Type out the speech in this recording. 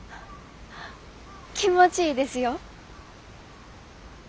気持ちいいですよ。